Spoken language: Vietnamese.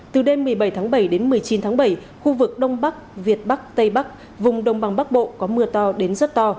từ đêm một mươi bảy tháng bảy đến một mươi chín tháng bảy khu vực đông bắc việt bắc tây bắc vùng đông bằng bắc bộ có mưa to đến rất to